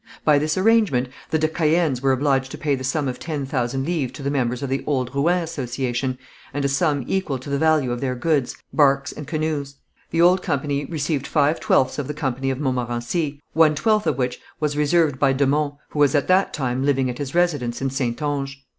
By this arrangement the de Caëns were obliged to pay the sum of ten thousand livres to the members of the old Rouen association, and a sum equal to the value of their goods, barques and canoes. The old company received five twelfths of the Company of Montmorency, one twelfth of which was reserved by de Monts, who was at that time living at his residence in Saintonge.